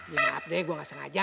ya maaf deh gue gak sengaja